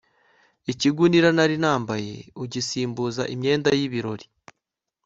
ikigunira nari nambaye ugisimbuza imyenda y'ibirori